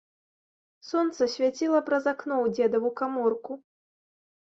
Сонца свяціла праз акно ў дзедаву каморку.